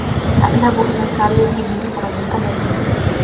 لا اذهب إلى الكاريوكي بمفردي ابداً.